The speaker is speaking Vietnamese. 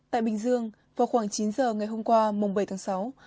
tại bình dương vào khoảng chín giờ ngày hôm qua bảy tháng sáu